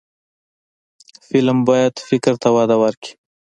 فلم باید فکر ته وده ورکړي